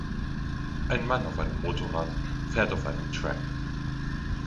Ein Mann auf einem Motorrad fährt auf einem Track.